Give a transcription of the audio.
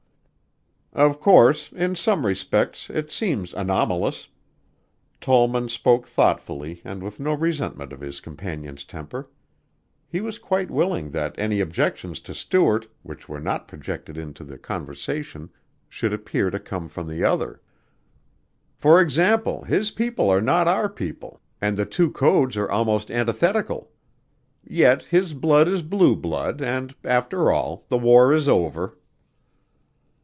"Of course, in some respects it seems anomalous." Tollman spoke thoughtfully and with no resentment of his companion's temper. He was quite willing that any objections to Stuart which were projected into the conversation should appear to come from the other. "For example, his people are not our people and the two codes are almost antithetical. Yet his blood is blue blood and, after all, the war is over."